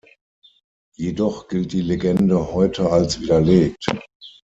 Jedoch gilt die Legende heute als widerlegt.